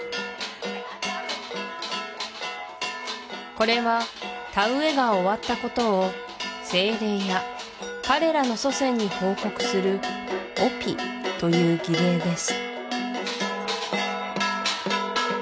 これは田植えが終わったことを精霊や彼らの祖先に報告する「オピ」という儀礼です